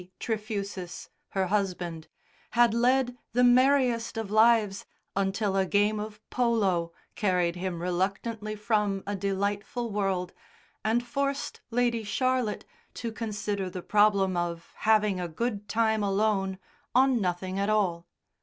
Trefusis, her husband, had led the merriest of lives until a game of polo carried him reluctantly from a delightful world and forced Lady Charlotte to consider the problem of having a good time alone on nothing at all.